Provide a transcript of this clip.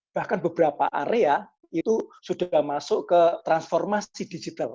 bahkan beberapa area itu sudah masuk ke transformasi digital